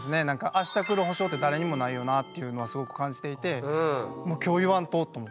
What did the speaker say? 明日くる保証って誰にもないよなっていうのはすごく感じていて「今日言わんと！」と思って。